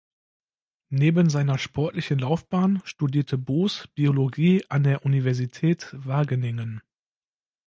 Neben seiner sportlichen Laufbahn studierte Bos Biologie an der Universität Wageningen.